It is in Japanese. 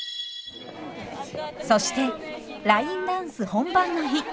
そしてラインダンス本番の日。